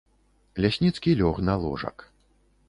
Лясніцкі лёг на ложак.